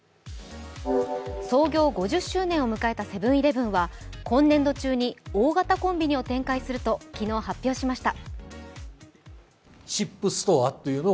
創業５０周年を迎えたセブン−イレブンは今年度中に大型コンビニを展開すると昨日発表しました。